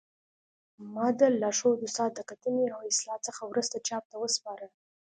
ما د لارښود استاد د کتنې او اصلاح څخه وروسته چاپ ته وسپاره